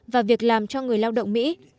và việc làm cho người lao động mỹ